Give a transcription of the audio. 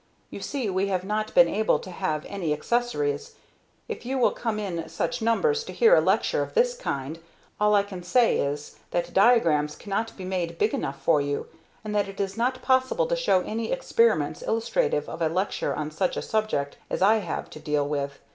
You see we have not been able to have any accessories. If you will come in such numbers to hear a lecture of this kind, all I can say is, that diagrams cannot be made big enough for you, and that it is not possible to show any experiments illustrative of a lecture on such a subject as I have to deal with.